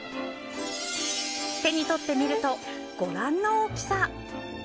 手に取ってみると、ご覧の大きさ。